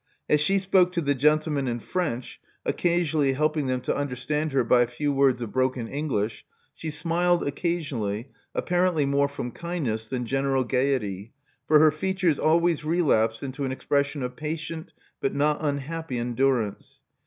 As she spoke to the gentlemen in French, occasionally helping them to understand her by a few words of broken English, she smiled occasionally, apparently more from kindness than natural gaiety, for her fea tures always relapsed into an expression of patient but not unhappy endurance.